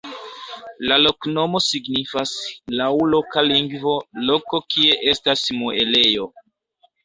La loknomo signifas laŭ loka lingvo "loko kie estas muelejo".